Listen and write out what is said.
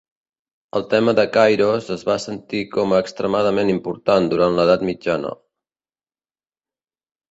El tema de Kairos es va sentir com a extremadament important durant l'edat mitjana.